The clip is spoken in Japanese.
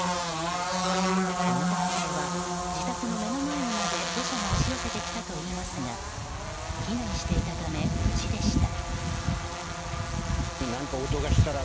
この男性は自宅の目の前にまで土砂が押し寄せてきたといいますが避難していたため無事でした。